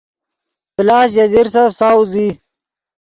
پلاس ژے لیرسف ساؤز ای